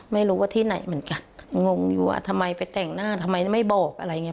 ไม่รู้ว่าที่ไหนเหมือนกันงงอยู่ว่าทำไมไปแต่งหน้าทำไมไม่บอกอะไรอย่างนี้